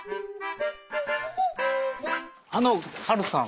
あのハルさん？